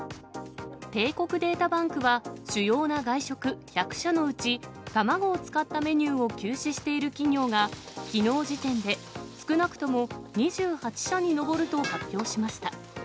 帝国データバンクは、主要な外食１００社のうち、卵を使ったメニューを休止している企業が、きのう時点で少なくとも２８社に上ると発表しました。